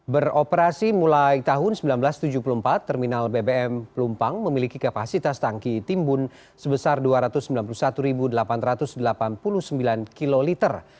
beroperasi mulai tahun seribu sembilan ratus tujuh puluh empat terminal bbm pelumpang memiliki kapasitas tangki timbun sebesar dua ratus sembilan puluh satu delapan ratus delapan puluh sembilan kiloliter